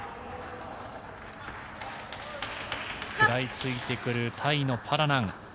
食らいついてくるタイのパラナン。